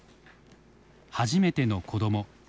初めての子ども。